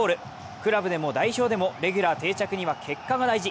クラブでも代表でもレギュラー定着には結果が大事。